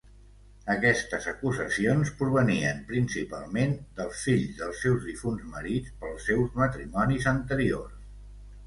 Aquestes acusacions provenien principalment dels fills dels seus difunts marits pels seus matrimonis anteriors.